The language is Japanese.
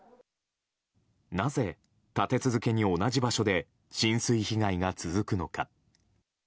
なぜ、立て続けに同じ場所で浸水被害が続くのか。